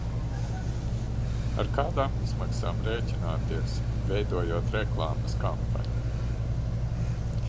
Ar kādām izmaksām rēķināties, veidojot reklāmas kampaņu?